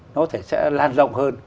nó có thể sẽ lan rộng hơn